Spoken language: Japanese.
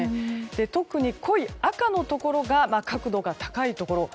特に濃い赤のところが確度が高いところ。